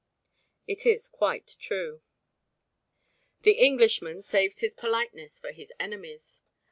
It is quite true. The Englishman saves his politeness for his enemies.